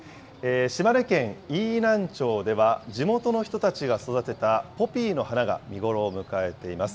島根県飯南町では、地元の人たちが育てたポピーの花が見頃を迎えています。